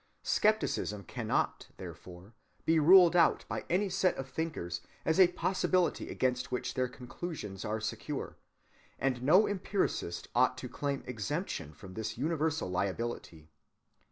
Skepticism cannot, therefore, be ruled out by any set of thinkers as a possibility against which their conclusions are secure; and no empiricist ought to claim exemption from this universal liability.